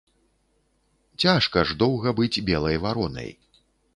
Цяжка ж доўга быць белай варонай.